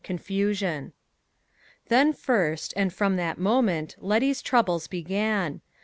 CONFUSION. Then first, and from that moment, Letty's troubles began.